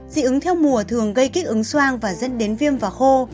dị ứng theo mùa thường gây kích ứng soang và dẫn đến viêm và khô